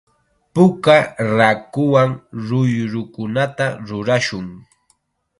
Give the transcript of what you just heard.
Puka raakuwan ruyrukunata rurashun.